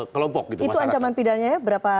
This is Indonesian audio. kelompok itu ancaman pidanya berapa